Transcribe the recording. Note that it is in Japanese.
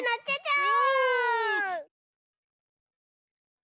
お！